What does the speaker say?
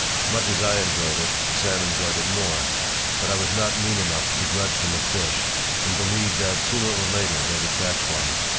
Much as I enjoyed it, Sam enjoyed it more. But I was not mean enough to begrudge them a fish and believed that sooner or later they would catch one.